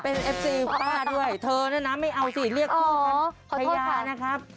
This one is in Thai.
เป็นเอฟซีป้าด้วยเธอเนี่ยนะไม่เอาสิเรียกพ่อภรรยานะครับ